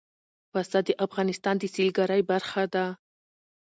پسه د افغانستان د سیلګرۍ برخه ده.